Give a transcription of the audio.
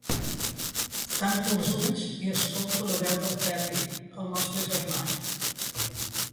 Tanco els ulls i escolto la veu del Ferri, el nostre germà.